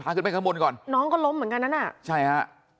ขึ้นไปข้างบนก่อนน้องก็ล้มเหมือนกันนั้นอ่ะใช่ฮะ